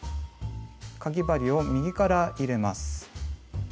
かぎ針を右から入れます。